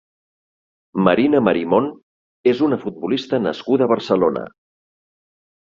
Marina Marimón és una futbolista nascuda a Barcelona.